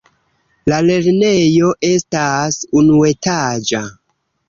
La lernejo estas unuetaĝa.